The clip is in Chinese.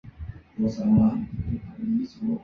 福州苎麻为荨麻科苎麻属下的一个变种。